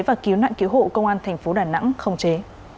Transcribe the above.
và cứu nạn cứu hộ công an thành phố đà nẵng khống chế